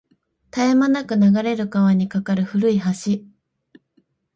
絶え間なく流れる川に架かる古い橋